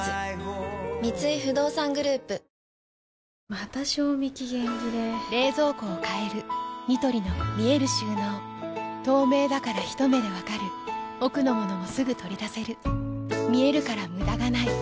また賞味期限切れ冷蔵庫を変えるニトリの見える収納透明だからひと目で分かる奥の物もすぐ取り出せる見えるから無駄がないよし。